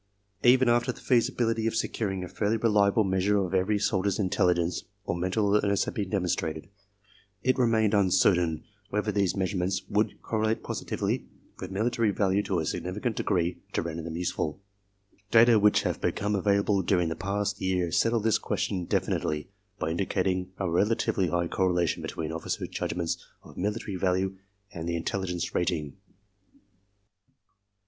Even after the feasibility of securing a fairly reliable measure of every soldier's intelligence or mental alertness had been demonstrated, it remained uncertain whether these measurements would cor relate positively with military value to a sufficient degree to render them useful. Data which have become available during the past yeaj' settle this question definitely by indicating a rela tively high correlation between officers* judgments of military value and the intelligence rating.